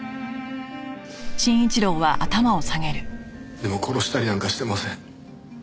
でも殺したりなんかしてません。